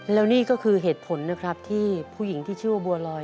แล้วนี่ก็คือเหตุผลนะครับที่ผู้หญิงที่ชื่อว่าบัวลอย